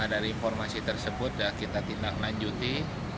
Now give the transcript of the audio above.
dari informasi tersebut kita tindak lanjuti